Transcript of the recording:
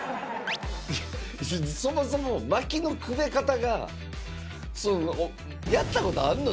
そもそも、まきのくべ方が、やったことあんの？